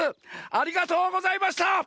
ありがとうございます。